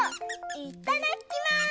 いただきます！